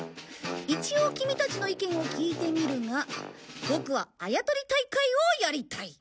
一応キミたちの意見を聞いてみるがボクはあやとり大会をやりたい。